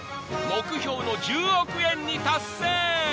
［目標の１０億円に達成！］